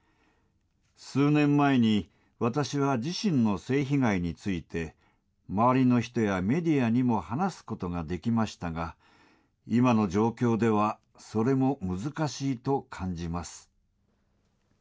数年前に私は自身の性被害について、周りの人やメディアにも話すことができましたが、今の状況ではそれも難しいと感じます。